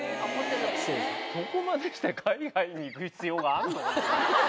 そこまでして海外に行く必要があるのかな？